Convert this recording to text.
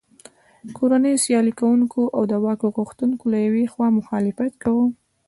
کورنیو سیالي کوونکو او د واک غوښتونکو له یوې خوا مخالفت کاوه.